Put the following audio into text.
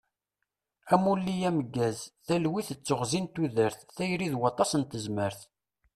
Amulli ameggaz, talwit d teɣzi n tudert, tayri d waṭas n tezmert.